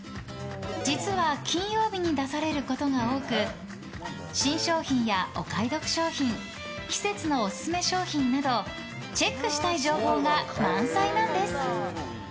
実は金曜日に出されることが多く新商品やお買い得商品季節のオススメ商品などチェックしたい情報が満載なんです。